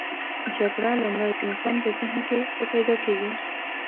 جګړه لومړی د انسان په ذهن کې راپیداکیږي.